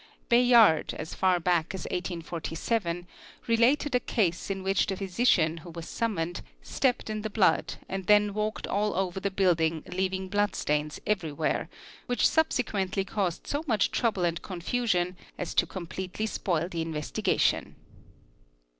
Bayard as far back as 1847 related a case i which the physician who was summoned stepped in the blood and the walked all over the building leaving blood stains everywhere, whi subsequently caused so much trouble and confusion as to completely spt the investigation.